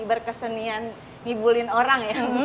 berkesenian ngibulin orang